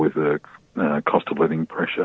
dengan tekanan pendapatan pendapatan